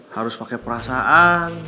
harus pake perasaan